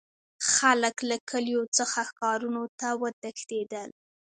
خلک له کلیو څخه ښارونو ته وتښتیدل.